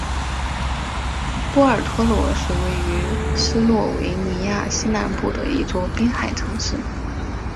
波尔托罗是位于斯洛维尼亚西南部的一座滨海城市。